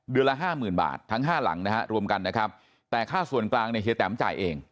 ละห้าหมื่นบาททั้งห้าหลังนะฮะรวมกันนะครับแต่ค่าส่วนกลางเนี่ยเฮียแตมจ่ายเอง